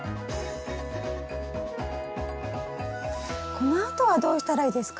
このあとはどうしたらいいですか？